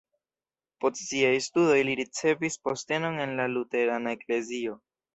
Post siaj studoj li ricevis postenon en la luterana eklezio.